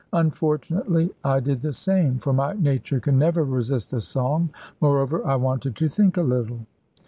Unfortunately I did the same; for my nature can never resist a song: moreover I wanted to think a little.